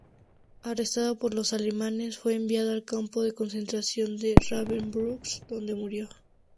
Arrestada por los alemanes, fue enviada al campo de concentración de Ravensbrück, donde murió.